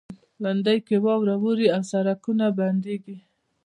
لېندۍ کې واوره اوري او سړکونه بندیږي.